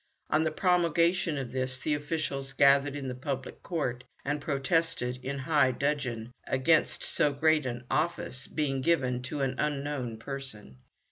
On the promulgation of this the officials gathered in the public court, and protested in high dudgeon against so great an office being given to an unknown person.